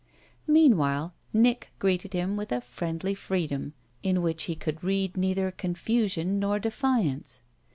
Meanwhile Nick greeted him with a friendly freedom in which he could read neither confusion nor defiance.